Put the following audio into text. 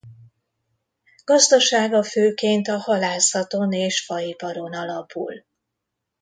Gazdasága főként a halászaton és faiparon alapul.